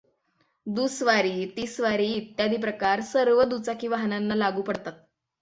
दुस्वारी, तिस्वारी इत्यादी प्रकार सर्व दुचाकी वाहनांना लागू पडतात.